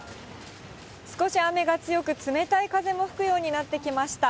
少し雨が強く、冷たい風も吹くようになってきました。